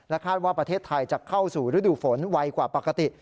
คาดว่าประเทศไทยจะเข้าสู่ฤดูฝนไวกว่าปกติ